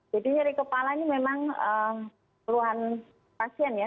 jadi nyeri kepala ini memang perluan pasien ya